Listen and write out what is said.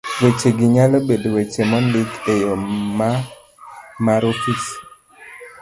Wechegi nyalo bedo weche mondik e yo ma mar ofis.